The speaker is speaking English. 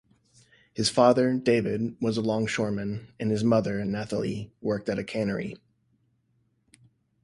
His father, David, was a longshoreman and his mother, Nathalie, worked at a cannery.